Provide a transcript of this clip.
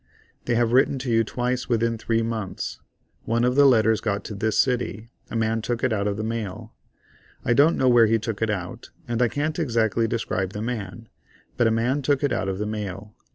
They have written to you twice within three months. One of the letters got to this city—a man took it out of the mail. I don't know where he took it out, and I can't exactly describe the man, but a man took it out of the mail.